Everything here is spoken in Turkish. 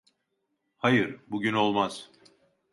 Hayır, bugün olmaz.